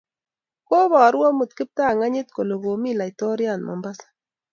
Kobaru amut kiptanganyit kole komi laitoriat Mombasa